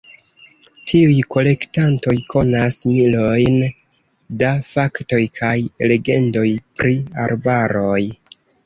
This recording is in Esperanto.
Tiuj kolektantoj konas milojn da faktoj kaj legendoj pri arbaroj.